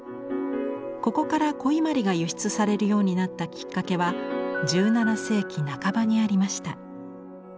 ここから古伊万里が輸出されるようになったきっかけは１７世紀半ばにありました。